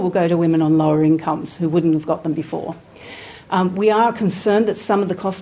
dan terutama menuju kepada perempuan yang berpengaruh yang tidak pernah memiliki